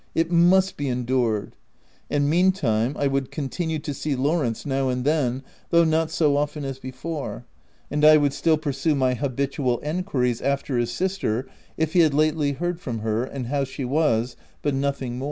it must be endured ;— and meantime I would continue to see Lawrence now and then, though not so often as before, and I would still pursue my habitual enquiries after his sister — if he had lately heard from her, and how she was, but nothing more.